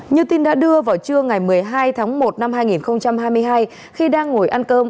như tin đã đưa vào trưa ngày một mươi hai tháng một năm hai nghìn hai mươi hai khi đang ngồi ăn cơm